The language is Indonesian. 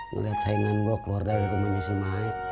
ngelihat saingan gue keluar dari rumahnya si mike